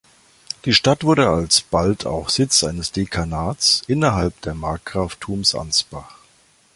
Die Stadt wurde alsbald auch Sitz eines Dekanats innerhalb der Markgraftums Ansbach.